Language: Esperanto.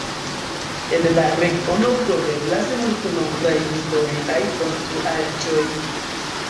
En la regiono troveblas multnombraj historiaj konstruaĵoj.